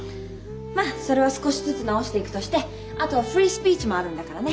まあそれは少しずつ直していくとしてあとはフリースピーチもあるんだからね。